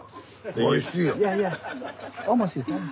おいしいよ。